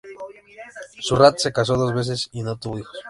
Surratt se casó dos veces, y no tuvo hijos.